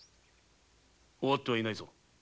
終わってはいないぞ。